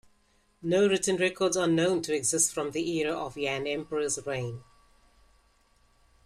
No written records are known to exist from the era of Yan Emperor's reign.